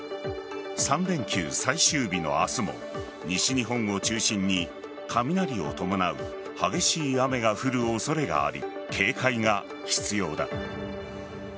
３連休最終日の明日も西日本を中心に雷を伴う激しい雨が降る恐れがあり警戒が必要だ。